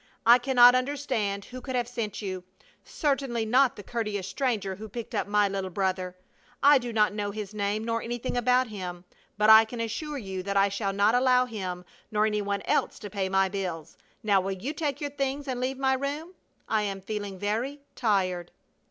I cannot understand who could have sent you! Certainly not the courteous stranger who picked up my little brother. I do not know his name, nor anything about him, but I can assure you that I shall not allow him nor any one else to pay my bills. Now will you take your things and leave my room? I am feeling very tired!"